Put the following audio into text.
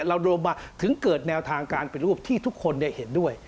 รวมถึงเกิดแนวทางการปฏิรูปที่ทุกคนได้เห็นด้วย